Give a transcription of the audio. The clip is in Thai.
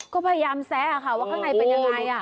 ก็พยายามแซะค่ะว่าข้างในเป็นยังไง